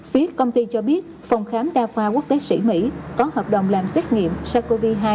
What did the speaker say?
phía công ty cho biết phòng khám đa khoa quốc tế sĩ mỹ có hợp đồng làm xét nghiệm sars cov hai